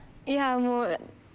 いやもう。